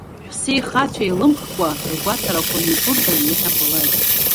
Ҳәсеихацәеи неилымхкәа ргәаҭарақәа мҩаԥыргон иахьабалакь.